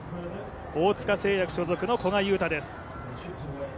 大塚製薬所属の古賀友太です。